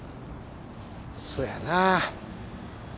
そやな。